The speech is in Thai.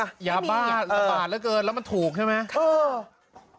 ยาบ้าระบาดเหลือเกินแล้วมันถูกใช่ไหม